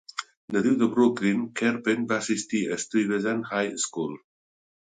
Nadiu de Brooklyn, Kerpen va assistir a Stuyvesant High School.